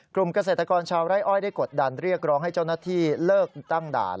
เกษตรกรชาวไร่อ้อยได้กดดันเรียกร้องให้เจ้าหน้าที่เลิกตั้งด่าน